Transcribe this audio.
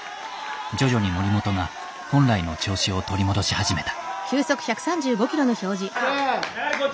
徐々に森本が本来の調子を取り戻し始めた。